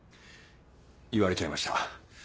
言われちゃいました。